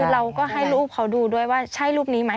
เราก็ให้รูปเขาดูด้วยว่าใช่รูปนี้ไหม